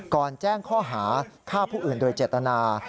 แจ้งข้อหาฆ่าผู้อื่นโดยเจตนา